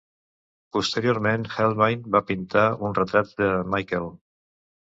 Posteriorment, Helnwein va pintar un retrat de Michael.